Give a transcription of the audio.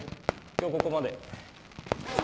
今日ここまで。